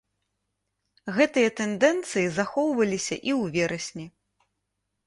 Гэтыя тэндэнцыі захоўваліся і ў верасні.